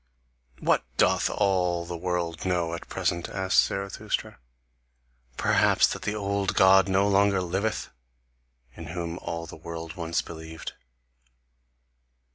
"WHAT doth all the world know at present?" asked Zarathustra. "Perhaps that the old God no longer liveth, in whom all the world once believed?"